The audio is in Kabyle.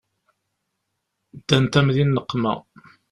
Ddant-am di nneqma.